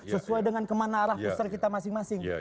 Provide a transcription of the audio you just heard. sesuai dengan kemana arah besar kita masing masing